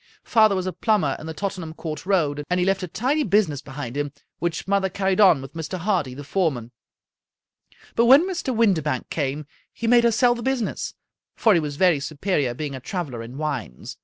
Father was a plumber in the Tottenham Court Road, and he left a tidy business behind him, which mother carried on with Mr. Hardy, the foreman; but when Mr. Windibank came he made her sell the business, for he was very superior, being a traveler in wines.